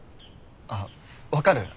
あっ分かる？